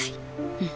うん。